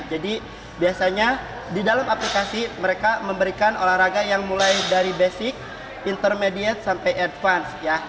jadi biasanya di dalam aplikasi mereka memberikan olahraga yang mulai dari basic intermediate sampai advanced